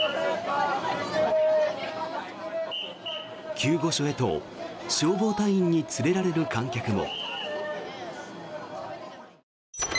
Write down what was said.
救護所へと消防隊員に連れられる観客も。